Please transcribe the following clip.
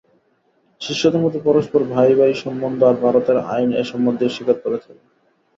শিষ্যদের মধ্যে পরস্পর ভাই-ভাই-সম্বন্ধ, আর ভারতের আইন এই সম্বন্ধ স্বীকার করে থাকে।